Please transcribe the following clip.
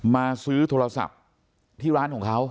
มาซื้อโทรศัพท์ที่ร้านของเขา